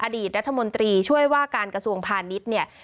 อดีตรัฐมนตรีช่วยว่าการกระทรวงพาณิชย์เนี่ย